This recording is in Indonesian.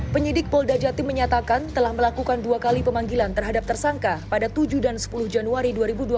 penyidik polda jatim menyatakan telah melakukan dua kali pemanggilan terhadap tersangka pada tujuh dan sepuluh juli